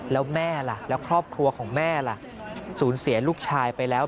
แล้วแม่ล่ะแล้วครอบครัวของแม่ล่ะสูญเสียลูกชายไปแล้ว